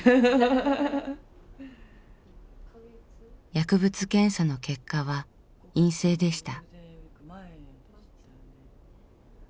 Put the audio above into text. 薬物検査の結果は陰性でした。